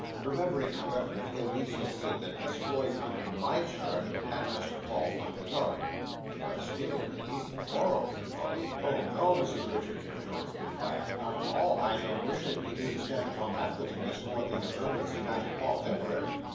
"Remembering, however, if you'll be so good, that Miss Floy's under my charge, and Master Paul's under your'n." "But still we needn't quarrel," said Polly. "Oh no, Mrs Richards," rejoined Spitfire. "Not at all, I don't wish it, we needn't stand upon that footing, Miss Floy being a permanency, Master Paul a temporary."